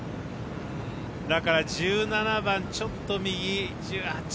だから１７番ちょっと右。